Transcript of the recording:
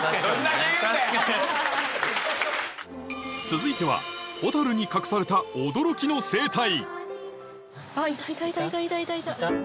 続いてはホタルに隠された驚きの生態